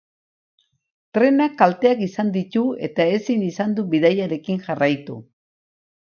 Trenak kalteak izan ditu eta ezin izan du bidaiarekin jarraitu.